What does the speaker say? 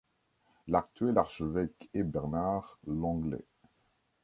L'actuel archevêque est Bernard Longley.